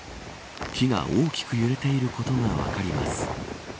木が大きく揺れていることが分かります。